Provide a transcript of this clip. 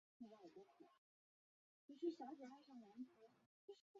由蜂蜜和杏仁制作的牛轧糖是当地的特产。